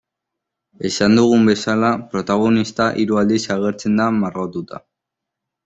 Esan dugun bezala, protagonista hiru aldiz agertzen da margotuta.